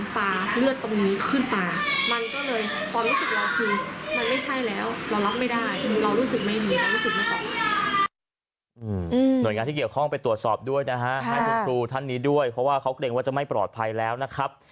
ให้คุณครูทันนี้ด้วยเพราะว่าเขาเกรงว่าจะไม่ปลอดภัยแล้วนะครับ